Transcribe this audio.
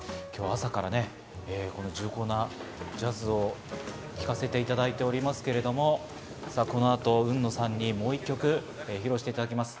朝からこの重厚なジャズを聴かせていただいておりますけれども、この後、海野さんにもう１曲披露していただきます。